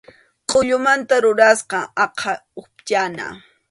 Kʼullumanta rurasqa aqha upyana.